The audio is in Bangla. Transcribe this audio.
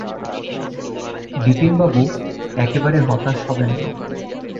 বিপিনবাবু, একেবারে হতাশ হবেন না।